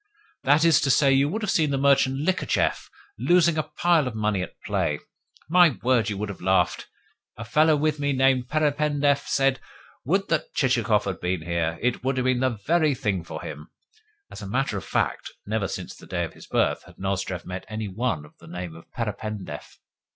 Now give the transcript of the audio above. "That is to say, you would have seen merchant Likhachev losing a pile of money at play. My word, you would have laughed! A fellow with me named Perependev said: 'Would that Chichikov had been here! It would have been the very thing for him!'" (As a matter of fact, never since the day of his birth had Nozdrev met any one of the name of Perependev.)